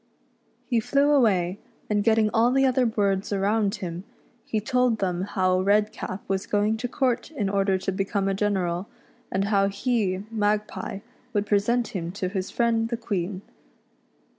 He flew aw^ay, and getting all the other birds around him, he told them how Redcap was going to court in order to become a general, and how he, Magpie, would present him to his friend the Queen.